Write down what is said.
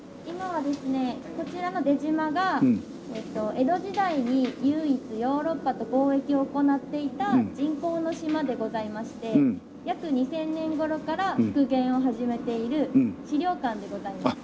今はですねこちらの出島が江戸時代に唯一ヨーロッパと貿易を行っていた人工の島でございまして約２０００年頃から復元を始めている史料館でございます。